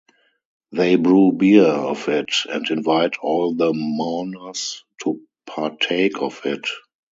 They brew beer of it and invite all the mourners to partake of it.